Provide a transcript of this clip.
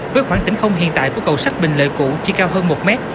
với khoảng tỉnh không hiện tại của cầu sách bình lợi cũ chỉ cao hơn một mét